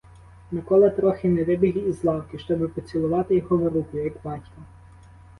Микола трохи не вибіг із лавки, щоби поцілувати його в руку, як батька.